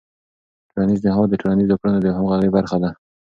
ټولنیز نهاد د ټولنیزو کړنو د همغږۍ برخه ده.